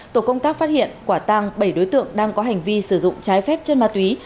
tổ công tác phát hiện quả tăng bảy đối tượng đang có hành vi sử dụng trái phép chân ma túy